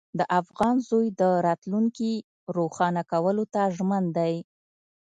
د افغان زوی د راتلونکي روښانه کولو ته ژمن دی.